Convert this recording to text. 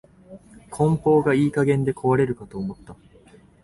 梱包がいい加減で壊れるかと思った